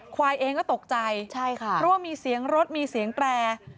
ควายเองก็ตกใจใช่ค่ะเพราะว่ามีเสียงรถมีเสียงแตร